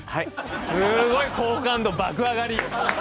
すごい好感度爆上がり。